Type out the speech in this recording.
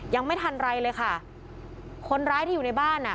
ยังไม่ทันไรเลยค่ะคนร้ายที่อยู่ในบ้านอ่ะ